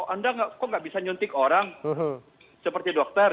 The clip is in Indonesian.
anda kok nggak bisa nyuntik orang seperti dokter